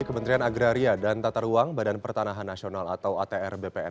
kementerian agraria dan tata ruang badan pertanahan nasional atau atr bpn